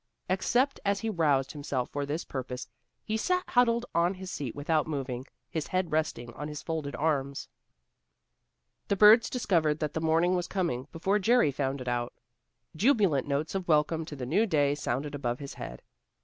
Except as he roused himself for this purpose, he sat huddled on his seat without moving, his head resting on his folded arms. The birds discovered that the morning was coming before Jerry found it out. Jubilant notes of welcome to the new day sounded above his head.